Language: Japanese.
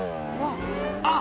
「あっ！